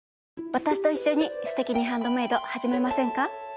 私と一緒に「すてきにハンドメイド」始めませんか？